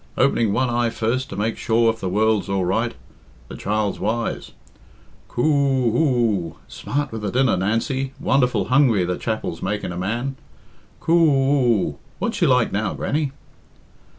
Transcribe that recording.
Opening one eye first to make sure if the world's all right. The child's wise. Coo oo oo! Smart with the dinner, Nancy wonderful hungry the chapel's making a man. Coo oo! What's she like, now, Grannie?"